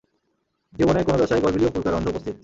জীবনের কোন দশায় গলবিলীয় ফুলকা রন্ধ্র উপস্থিত।